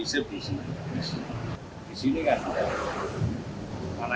ini contoh hal yang benar